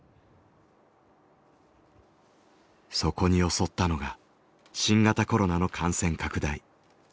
そこに襲ったのが新型コロナの感染拡大。